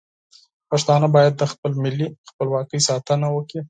پښتانه باید د خپل ملي خپلواکۍ ساتنه وکړي.